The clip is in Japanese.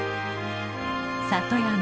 里山。